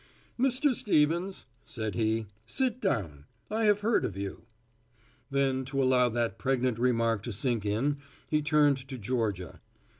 "Mr. Stevens," said he, "sit down. I have heard of you." Then to allow that pregnant remark to sink in he turned to Georgia.